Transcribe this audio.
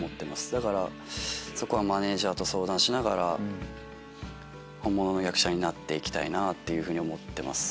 だからそこはマネジャーと相談しながら本物の役者になって行きたいって思ってます。